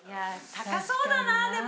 高そうだなでも。